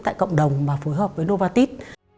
tại cộng đồng và phối hợp với novartis